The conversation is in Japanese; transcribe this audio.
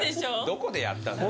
どこでやったんだ？